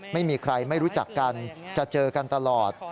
ไม่มีใครไม่รู้จักกันจะเจอกันตลอด